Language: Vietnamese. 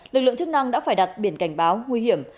lực lượng chức năng đã phải đặt biển cảnh báo nguy hiểm